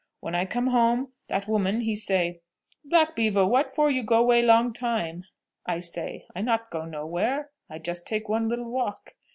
When I come home, that woman he say, 'Black Beaver, what for you go way long time?' I say, 'I not go nowhere; I just take one littel walk.'